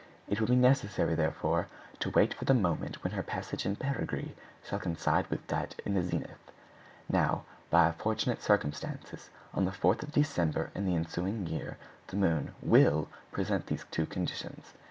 It will be necessary, therefore, to wait for the moment when her passage in perigee shall coincide with that in the zenith. Now, by a fortunate circumstance, on the 4th of December in the ensuing year the moon will present these two conditions.